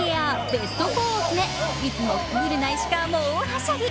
ベスト４を決め、いつもクールな石川も大はしゃぎ。